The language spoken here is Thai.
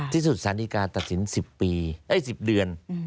ที่สุดสันติกาตัดสิน๑๐ปีเอ้ย๑๐เดือน